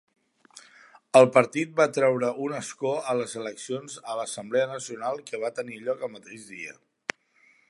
El partit va treure un escó a les eleccions a l'Assemblea Nacional que van tenir lloc el mateix dia.